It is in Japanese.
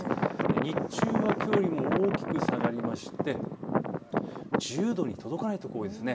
日中はきょうよりも大きく下がって１０度に届かない所が多いです。